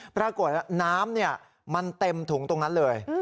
ปรากฏว่าน้ำมันเต็มถุงตรงนั้นเลย